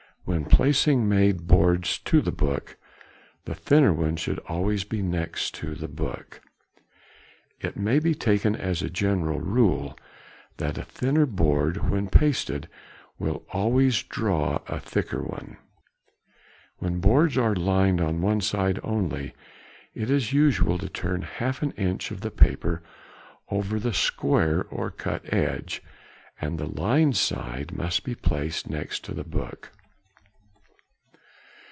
When placing made boards to the book, the thinner one should always be next the book. It may be taken as a general rule that a thinner board when pasted will always draw a thicker one. |56| When boards are lined on one side only it is usual to turn half an inch of the paper over the square or cut edge, and the lined side must be placed next the book.